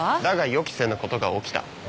だが予期せぬことが起きた。